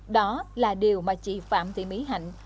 đó là điều mà chị phạm thị mỹ hạnh